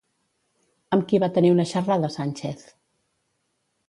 Amb qui va tenir una xerrada Sánchez?